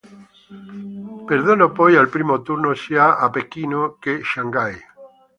Perdono poi al primo turno sia a Pechino che Shanghai.